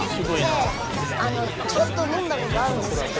でちょっとのんだことあるんですよなんか。